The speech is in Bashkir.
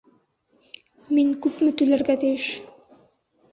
Мин күпме түләргә тейеш?